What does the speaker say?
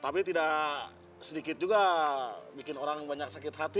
tapi tidak sedikit juga bikin orang banyak sakit hati